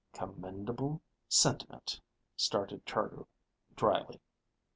"Commendable sentiment," stated Chargill dryly.